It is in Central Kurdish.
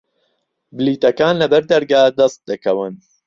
بلیتەکان لە بەردەرگا دەست دەکەون.